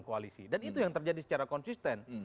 koalisi dan itu yang terjadi secara konsisten